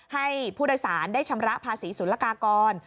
ให้ผู้โดยสารได้ชำระภาษีศูนย์ละกากร